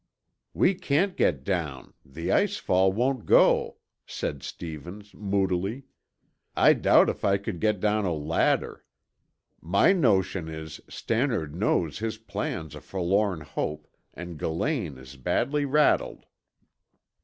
"We can't get down; the ice fall won't go," said Stevens moodily. "I doubt if I could get down a ladder. My notion is, Stannard knows his plan's a forlorn hope and Gillane is badly rattled."